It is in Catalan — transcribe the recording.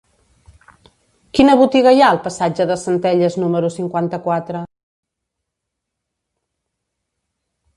Quina botiga hi ha al passatge de Centelles número cinquanta-quatre?